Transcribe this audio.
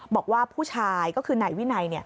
บอกว่าผู้ชายก็คือนายวินัย